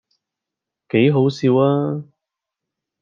幾好笑呀